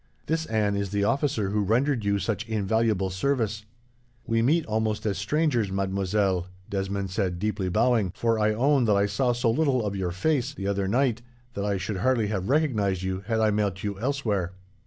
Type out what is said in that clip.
"This, Anne, is the officer who rendered you such invaluable service." "We meet almost as strangers, mademoiselle," Desmond said, deeply bowing, "for I own that I saw so little of your face, the other night, that I should hardly have recognized you, had I met you elsewhere."